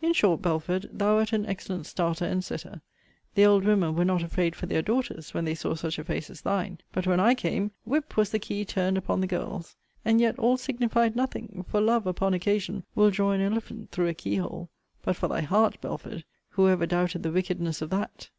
In short, Belford, thou wert an excellent starter and setter. The old women were not afraid for their daughters, when they saw such a face as thine. But, when I came, whip was the key turned upon the girls. And yet all signified nothing; for love, upon occasion, will draw an elephant through a key hole. But for thy HEART, Belford, who ever doubted the wickedness of that?